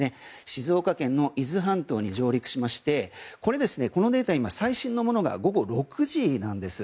静岡県の伊豆半島に上陸しましてこのデータ最新のものが午後６時なんです。